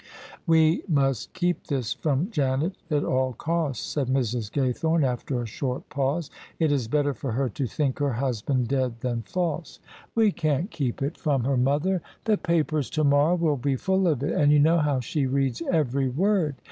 " We must keep this from Janet at all costs," said Mrs. Gaythorne, after a short pause. " It is better for her to think her husband dead than false." " We can't keep it from her, mother. The papers to mor row will be full of it, and you know how she reads every word."